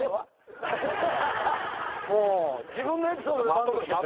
もう自分のエピソードで満足しちゃった。